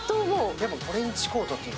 やっぱトレンチコートっていうの？